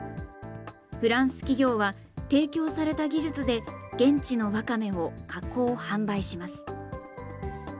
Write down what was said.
フランス企業は、提供された技術で、現地のわかめを加工・販売します。